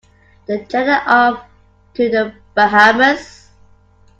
They jetted off to the Bahamas.